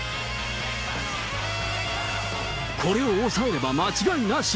これを押さえれば間違いなし。